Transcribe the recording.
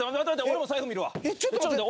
ちょっと待って。